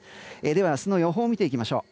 では明日の予報を見ていきましょう。